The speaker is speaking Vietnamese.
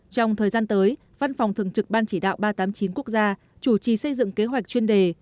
trong thời gian tới văn phòng thường trực ban chỉ đạo ba trăm tám mươi chín quốc gia chủ trì xây dựng kế hoạch chuyên đề